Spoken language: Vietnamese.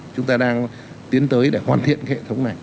chúng ta đang tiến tới để hoàn thiện hệ thống này